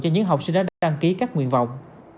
cho những học sinh đã đăng ký các nguyên vọng